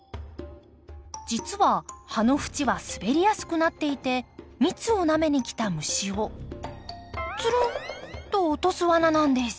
実は葉の縁は滑りやすくなっていて蜜をなめに来た虫をツルンと落とすワナなんです。